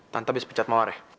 tante habis pecat mawar ya